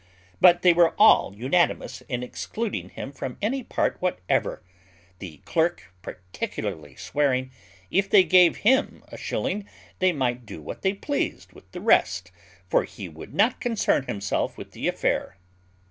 But they were all unanimous in excluding him from any part whatever, the clerk particularly swearing, "If they gave him a shilling they might do what they pleased with the rest; for he would not concern himself with the affair."